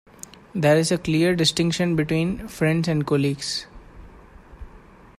There is a clear distinction between "friends" and "colleagues".